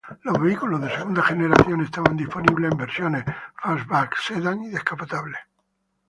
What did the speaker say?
Los vehículos de segunda generación estaban disponibles en versiones fastback, sedán y descapotables.